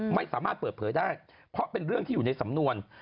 ไม่สามารถเปิดเผยได้เพราะเป็นเรื่องที่อยู่ในสำนวน